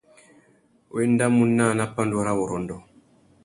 Wa endamú naā nà pandúrâwurrôndô.